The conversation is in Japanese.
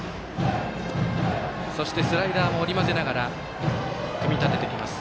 そして、スライダーも織り交ぜながら組み立ててきます。